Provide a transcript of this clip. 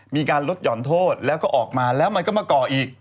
มีการลดหย่อนโทษแล้วก็ออกมาแล้วมันก็มาก่ออีก